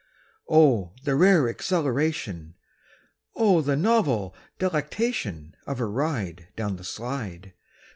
Oh, the rare exhilaration, Oh, the novel delectation Of a ride down the slide!